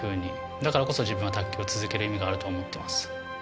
だからこそ自分は卓球を続ける意味があると思っています。